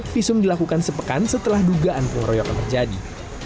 visum dilakukan sepekan setelah dugaan pengeroyokan terjadi